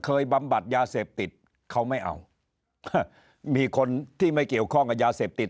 บำบัดยาเสพติดเขาไม่เอามีคนที่ไม่เกี่ยวข้องกับยาเสพติด